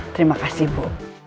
terima kasih bu